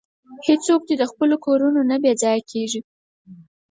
هیڅوک دې له خپلو کورونو نه بې ځایه کیږي.